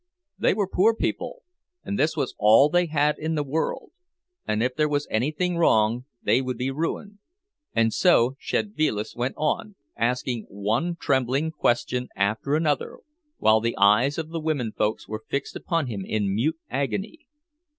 They were poor people, and this was all they had in the world, and if there was anything wrong they would be ruined. And so Szedvilas went on, asking one trembling question after another, while the eyes of the women folks were fixed upon him in mute agony.